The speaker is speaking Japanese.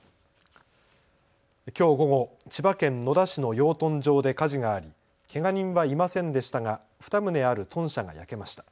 きょう午後、千葉県野田市の養豚場で火事があり、けが人はいませんでしたが２棟ある豚舎が焼けました。